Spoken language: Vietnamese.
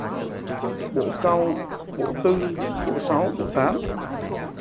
Bổ cau: bổ tư, bổ sáu, bổ tám